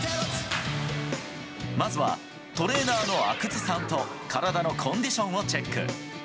まずはトレーナーの阿久津さんと体のコンディションをチェック。